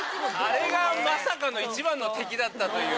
あれがまさかの一番の敵だったという。